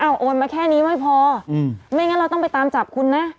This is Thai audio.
โอนมาแค่นี้ไม่พอไม่งั้นเราต้องไปตามจับคุณนะ